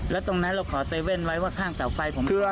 แล้วตรงนั้นเราขอเซเว่นไว้ว่าข้างเตาไฟผมกลัว